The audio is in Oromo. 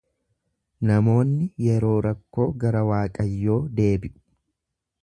Namoonni yeroo rakkoo gara Waaqayyoo deebi’u.